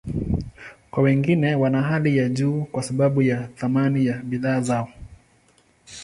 Kwa wengine, wana hali ya juu kwa sababu ya thamani ya bidhaa zao.